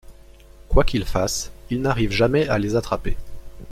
Quoi qu'il fasse, il n'arrive jamais à les attraper.